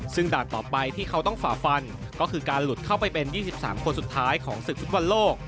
ซึ่งด่านต่อไปที่เขาต้องฝ่าฟันก็คือการหลุดเข้าไปเป็น๒๓คนสุดท้ายของศึกฟุตบอลโลก